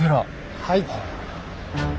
はい。